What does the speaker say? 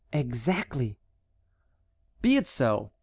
"Exactly." "Be it so.